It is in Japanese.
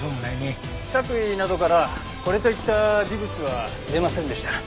着衣などからこれといった微物は出ませんでした。